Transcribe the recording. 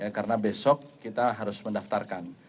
karena besok kita harus mendaftarkan